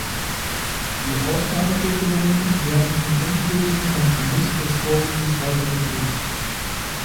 Die Ausnahmeregelungen werden im endgültigen Kompromiss des Vorsitzes weiter geprüft.